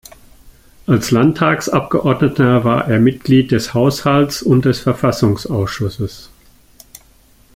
Als Landtagsabgeordneter war er Mitglied des Haushalts- und des Verfassungsausschusses.